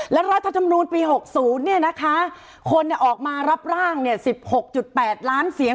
และรัฐธรรมนุนปี๖๐เนี่ยนะคะคนเนี่ยออกมารับร่าง๑๖๘ล้านเสียง